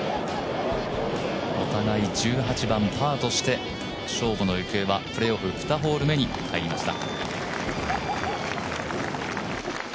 お互い１８番パーとして勝負の行方はプレーオフ２ホール目に入りました。